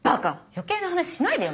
余計な話しないでよ